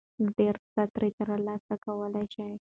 ، نو ډېر څه ترې ترلاسه کولى شو.